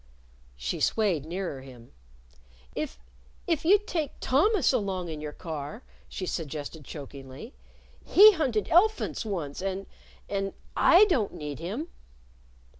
She swayed nearer him. "If if you'd take Thomas along on your car," she suggested chokingly. "He hunted el'phunts once, and and I don't need him."